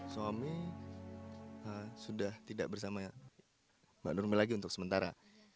suami sudah tidak bersama mbak nurmi lagi untuk sementara